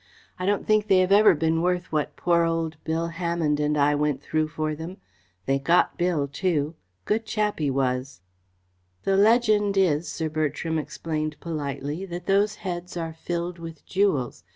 "I don't think they have ever been worth what poor old Bill Hammonde and I went through for them. They got Bill, too. Good chap, he was!" "The legend is," Sir Bertram explained politely, "that those heads are filled with jewels.